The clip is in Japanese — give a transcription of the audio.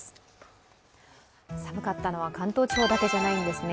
寒かったのは関東地方だけじゃないんですね。